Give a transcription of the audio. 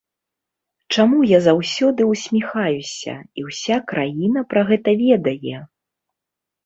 Чаму я заўсёды ўсміхаюся, і ўся краіна пра гэта ведае?